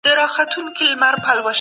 د مالدارو مسولیتونه ډېر دي.